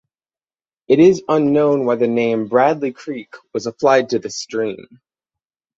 It is unknown why the name "Bradley Creek" was applied to this stream.